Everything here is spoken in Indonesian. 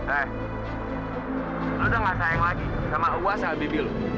eh lu udah gak sayang lagi sama uas sama bibi lo